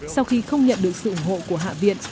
sau khi không nhận được sự ủng hộ của hạ viện